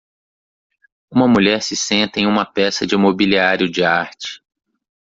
Uma mulher se senta em uma peça de mobiliário de arte.